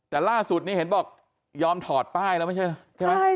แต่ล่าสุดนี้เห็นบอกยอมถอดป้ายแล้วไม่ใช่นะใช่ไหม